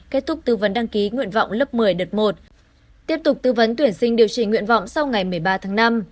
kết thúc tư vấn đăng ký nguyện vọng lớp một mươi đợt một tiếp tục tư vấn tuyển sinh điều trình nguyện vọng sau ngày một mươi ba tháng năm